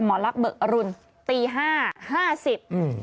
หมอลักเบอร์อรุณตี๕๕๐น